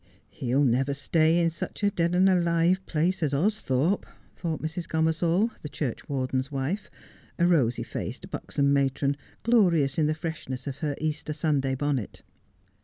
'He'll never stay in such a dead and alive place as Austhorpe,' thought Mrs. Gomersall, the churchwarden's wife, a rosy faced, An Earnest Man. 223 buxom matron, glorious in the freshness of her Easter Sunday bonnet.